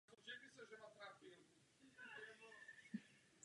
V historii vyráběl i letadla a vlaky.